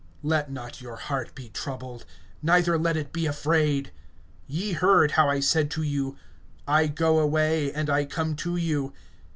Let not your heart be troubled, neither let it be afraid. (28)Ye heard how I said to you: I go away; and I come to you.